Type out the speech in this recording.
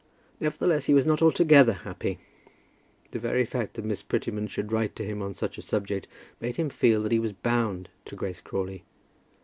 Nevertheless, he was not altogether happy. The very fact that Miss Prettyman should write to him on such a subject made him feel that he was bound to Grace Crawley.